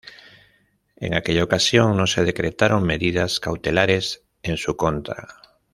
En aquella ocasión no se decretaron medidas cautelares en su contra.